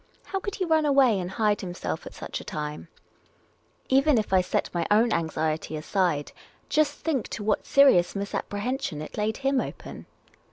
How could he run away snd hide himself at such a time ? Even if I set my own anxiet}' aside, just think to what vSerious misapprehension it laid him open